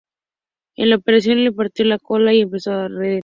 En la operación se le partió la cola y empezó a arder.